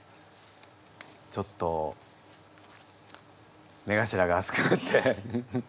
ちょっと目頭が熱くなって。